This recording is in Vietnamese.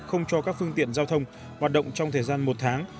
không cho các phương tiện giao thông hoạt động trong thời gian một tháng